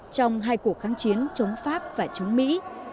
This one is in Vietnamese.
trong hai cuộc kháng chiến chống pháp và chống mỹ